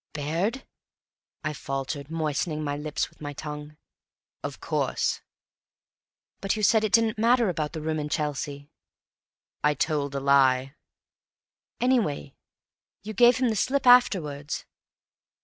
"Baird?" I faltered, moistening my lips with my tongue. "Of course." "But you said it didn't matter about the room in Chelsea?" "I told a lie." "Anyway you gave him the slip afterwards!"